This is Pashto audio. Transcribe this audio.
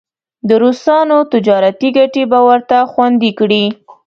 د روسانو تجارتي ګټې به ورته خوندي کړي.